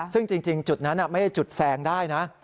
ซึ่งจริงจุดนั้นไม่ใช่จุดแซงได้นะ